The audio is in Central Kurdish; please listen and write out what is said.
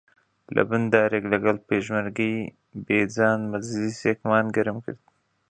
لەبن دارێک لەگەڵ پێشمەرگەی بێجان مەجلیسمان گەرم کرد